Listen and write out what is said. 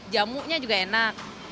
jamunya juga enak